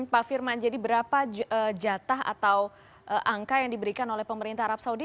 pak firman jadi berapa jatah atau angka yang diberikan oleh pemerintah arab saudi